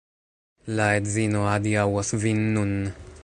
La edzino adiaŭos vin nun